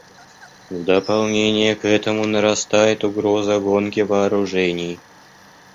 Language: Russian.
В дополнение к этому нарастает угроза гонки вооружений.